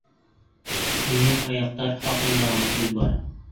— Һинең аяҡтар хаҡында ғына һүҙ бара.